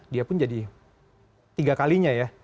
dia pun jadi tiga kalinya ya